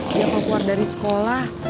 dia keluar dari sekolah